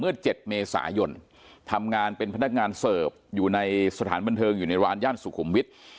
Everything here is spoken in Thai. ๗เมษายนทำงานเป็นพนักงานเสิร์ฟอยู่ในสถานบันเทิงอยู่ในร้านย่านสุขุมวิทย์